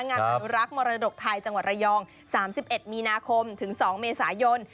อนุรักษ์มรดกไทยจังหวัดระยอง๓๑มีนาคมถึง๒เมษายน